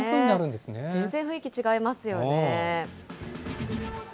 全然雰囲気違いますよね。